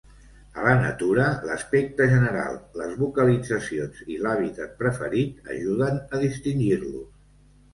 A la natura, l'aspecte general, les vocalitzacions i l'hàbitat preferit, ajuden a distingir-los.